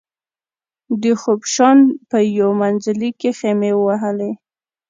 د خبوشان په یو منزلي کې خېمې ووهلې.